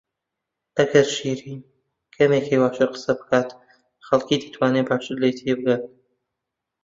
ئەگەر شیرین کەمێک هێواشتر قسە بکات، خەڵک دەتوانن باشتر لێی تێبگەن.